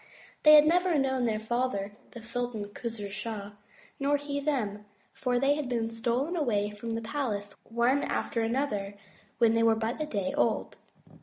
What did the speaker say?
They had never known their father, the Sultan Khos'roo Shah, nor he them, for they had been stolen away from the palace one after the other when they were but a day old.